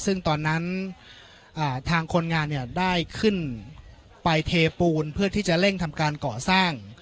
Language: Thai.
ซึ่งตอนนั้นทางคนงานเนี่ยได้ขึ้นไปเทปูนเพื่อที่จะเร่งทำการก่อสร้าง